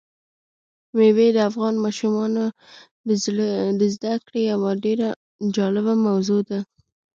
مېوې د افغان ماشومانو د زده کړې یوه ډېره جالبه موضوع ده.